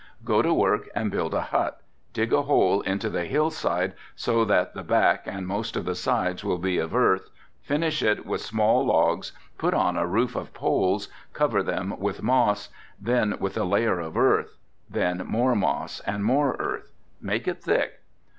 Go to work and build a hut, dig a hole into the hill side so that the back and most of the sides will be of earth, finish it with small logs, put on a roof of poles, cover them with moss, then with a layer of earth, then more moss and more earth, make it thick.